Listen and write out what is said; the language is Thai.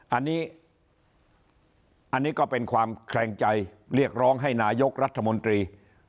อันนี้อันนี้ก็เป็นความแคลงใจเรียกร้องให้นายกรัฐมนตรี